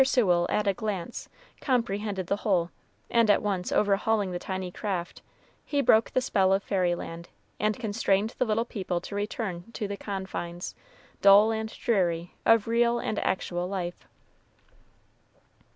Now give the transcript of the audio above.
Sewell, at a glance, comprehended the whole, and at once overhauling the tiny craft, he broke the spell of fairy land, and constrained the little people to return to the confines, dull and dreary, of real and actual life.